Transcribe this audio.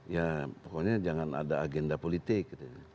ya pokoknya jangan ada agenda politik